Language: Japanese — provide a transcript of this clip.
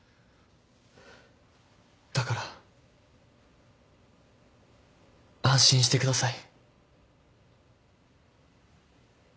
だから安心してください。